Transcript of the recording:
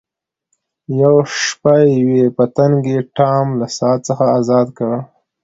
یوه شپه یوې پتنګې ټام له ساعت څخه ازاد کړ.